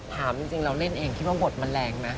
ถามจริงเราเล่นเองคิดว่าบทมันแรงไหม